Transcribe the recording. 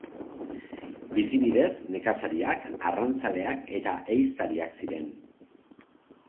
Bizibidez nekazariak, arrantzaleak eta ehiztariak ziren.